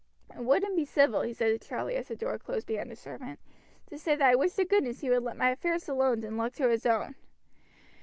"It wouldn't be civil," he said to Charlie as the door closed behind the servant, "to say that I wish to goodness he would let my affairs alone and look to his own."